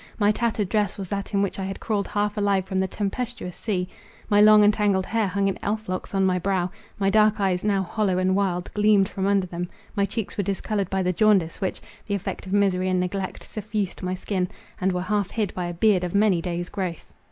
My tattered dress was that in which I had crawled half alive from the tempestuous sea. My long and tangled hair hung in elf locks on my brow—my dark eyes, now hollow and wild, gleamed from under them—my cheeks were discoloured by the jaundice, which (the effect of misery and neglect) suffused my skin, and were half hid by a beard of many days' growth.